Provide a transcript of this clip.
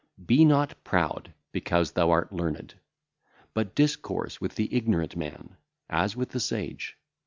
Be not proud because thou art learned; but discourse with the ignorant man, as with the sage.